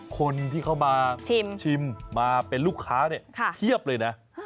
คนที่เขามาชิมมาเป็นลูกค้าเนี่ยเพียบเลยนะ